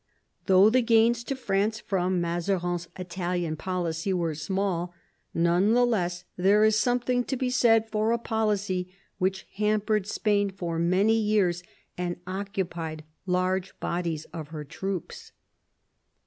Though the gains to France from Mazarin's Italian policy were small, none the less there is something to be said for a policy which hampered Spain for many years and occupied large bodies of her troops.